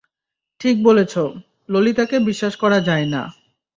ঠিক বলেছ, ললিতাকে বিশ্বাস করা যায় না।